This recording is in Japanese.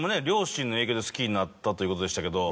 両親の影響で好きになったということで。